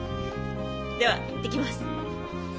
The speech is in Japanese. では行ってきます。